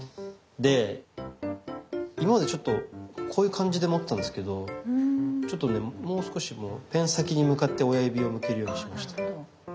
で今までちょっとこういう感じで持ってたんですけどちょっとねもう少しペン先に向かって親指を向けるようにしました。